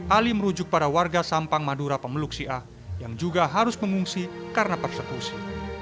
ali merujuk pada warga sampang madura pemeluk sia yang juga harus mengungsi karena persekusi